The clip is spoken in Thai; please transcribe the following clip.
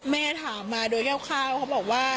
แม่ถามมาโดยคร่าวเขาบอกว่า